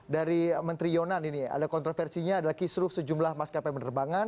dari menteri yonan ini ada kontroversinya adalah kisruh sejumlah maskapai penerbangan